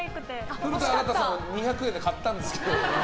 古田新太さんは２００円で買ったんですけど。